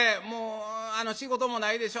仕事もないでしょ？